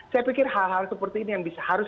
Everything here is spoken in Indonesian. saya pikir hal hal seperti ini yang harus